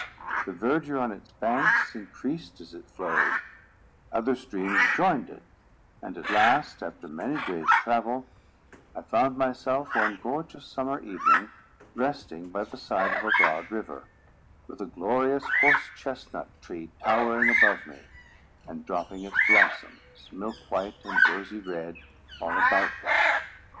The verdure on its banks increased as it flowed; other streams joined it; and at last, after many days' travel, I found myself, one gorgeous summer evening, resting by the side of a broad river, with a glorious horse chestnut tree towering above me, and dropping its blossoms, milk white and rosy red, all about me.